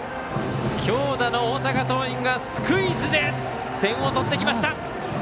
強打の大阪桐蔭がスクイズで点を取ってきました！